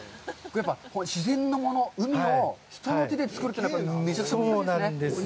自然のもの、海を人の手で作るというのはめちゃくちゃ難しいんですね。